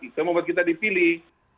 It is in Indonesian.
itu membuat kita dipilih